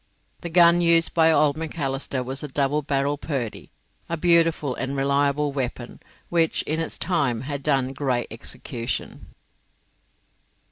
The gun used by old Macalister was a double barrelled Purdy, a beautiful and reliable weapon, which in its time had done great execution.